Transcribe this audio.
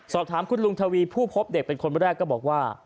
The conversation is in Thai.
สอบถามคุณลุงทวีผู้พบเด็กเป็นคนแรกก็บอกว่า